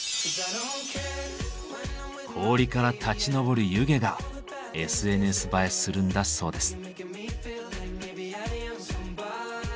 氷から立ち上る湯気がＳＮＳ映えするんだそうです。